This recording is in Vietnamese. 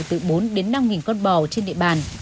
từ bốn đến năm con bò trên địa bàn